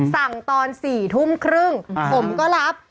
ตอน๔ทุ่มครึ่งผมก็รับ